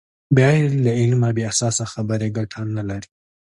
بغیر له علمه بې اساسه خبرې ګټه نلري.